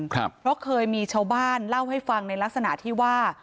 เพราะเคยมีชาวบ้านเล่าให้ฟังในลักษณะที่ว่า